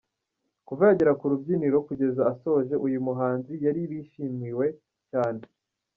Kuva yagera ku rubyiniro kugeza asoje, uyu muhanzi yari bishimiwe cyane.